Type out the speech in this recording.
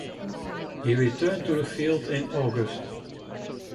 He returned to the field in August.